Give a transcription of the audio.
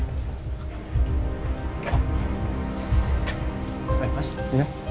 cuma tanya warga aja gak